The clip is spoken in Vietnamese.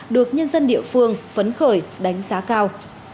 được nhân dân địa phương phấn khởi đánh giá cao